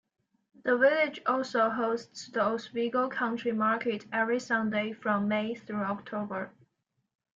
The village also hosts the Oswego Country Market every Sunday from May through October.